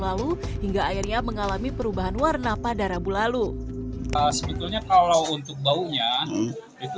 lalu hingga akhirnya mengalami perubahan warna pada rabu lalu sebetulnya kalau untuk baunya itu